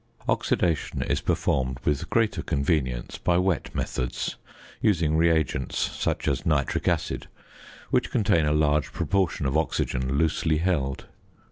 Oxidation is performed with greater convenience by wet methods, using reagents, such as nitric acid, which contain a large proportion of oxygen loosely held.